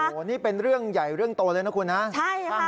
โอ้โหนี่เป็นเรื่องใหญ่เรื่องโตเลยนะคุณนะใช่ค่ะ